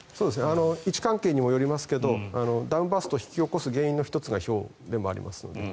位置関係にもよりますがダウンバーストを引き起こす原因の１つがひょうでもありますので。